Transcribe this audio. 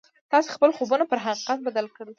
تاسې خپل خوبونه پر حقيقت بدل کړئ.